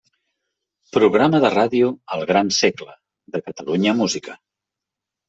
Programa de ràdio 'El gran segle', de Catalunya Música.